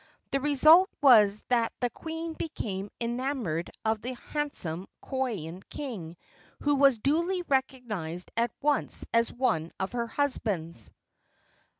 The result was that the queen became enamored of the handsome Kauaian king, who was duly recognized at once as one of her husbands.